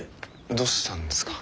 どうしたんですか？